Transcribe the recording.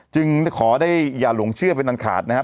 ขอได้อย่าหลงเชื่อเป็นอันขาดนะครับ